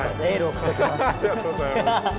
ハハッありがとうございます。